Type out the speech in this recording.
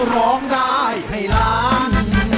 ร้องได้ให้ล้าน